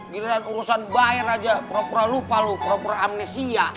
gila urusan bayar aja propera lupa lu propera amnesia